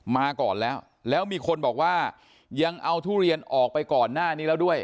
มาก่อนแล้วแล้วมีคนบอกว่ายังเอาทุเรียนออกไปก่อนหน้านี้แล้วด้วย